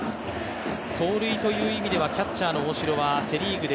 盗塁という意味ではキャッチャーの大城はセ・リーグで